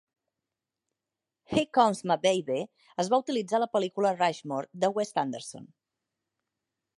"Here Comes My Baby" es va utilitzar a la pel·lícula "Rushmore" de Wes Anderson.